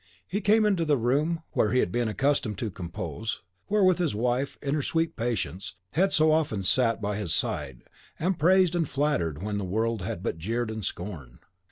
He came into the room where he had been accustomed to compose, where his wife, in her sweet patience, had so often sat by his side, and praised and flattered when the world had but jeered and scorned.